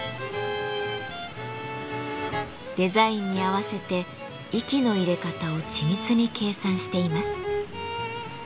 デザインに合わせて息の入れ方を緻密に計算しています。